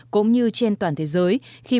cũng như trên toàn thế giới